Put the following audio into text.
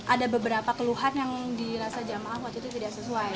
ada beberapa keluhan yang dirasa jamaah waktu itu tidak sesuai